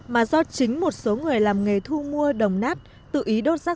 mà do chính một số người làm nghề thu mua đồng nát tự ý đốt rác